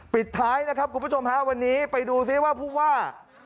ปิดท้ายนะครับคุณผู้ชมฮะวันนี้ไปดูซิว่าผู้ว่า